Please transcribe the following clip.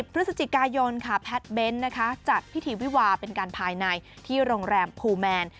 พฤศจิกายนค่ะแพทย์เบนท์นะคะจัดพิธีวิวาเป็นการภายในที่โรงแรมภูแมน